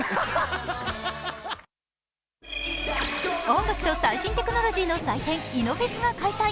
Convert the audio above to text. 音楽と最新テクノロジーの祭典、イノフェスが開催。